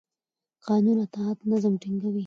د قانون اطاعت نظم ټینګوي